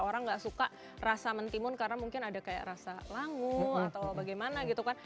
orang nggak suka rasa mentimun karena mungkin ada kayak rasa langu atau bagaimana gitu kan